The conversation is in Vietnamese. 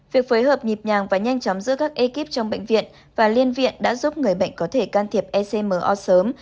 việc phối hợp nhịp nhàng và nhanh chóng giữa các ekip trong bệnh viện và liên viện đã giúp người bệnh có thể can thiệp ecmo sớm